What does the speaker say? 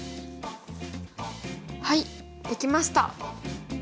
はいできました！